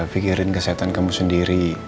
pikirin kesehatan kamu sendiri